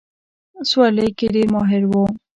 سورلۍ کې ډېر ماهر وو.